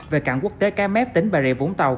về cảng quốc tế cái mép tỉnh bà rịa vũng tàu